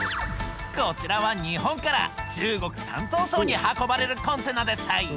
こちらは日本から中国・山東省に運ばれるコンテナですタイ。